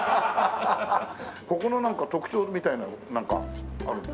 ここのなんか特徴みたいなのなんかあるんですか？